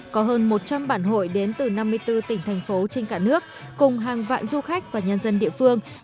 có hơn một trăm linh bản hội đến từ năm mươi bốn tỉnh thành phố trên cả nước cùng hàng vạn du khách và nhân dân địa phương